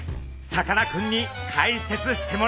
さかなクンに解説してもらいましょう！